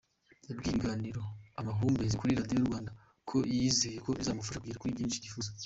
Yabwiye ikiganiro Amahumbezi kuri Radio Rwanda ko yizeye ko ‘rizamufasha kugera kuri byinshi yifuza’.